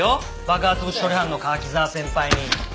爆発物処理班の柿沢先輩に。